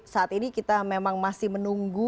saat ini kita memang masih menunggu